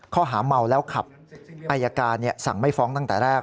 ข้อหาเมาแล้วขับอายการสั่งไม่ฟ้องตั้งแต่แรก